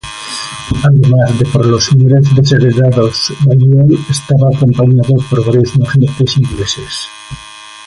Además de por los señores desheredados, Balliol estaba acompañado por varios magnates ingleses.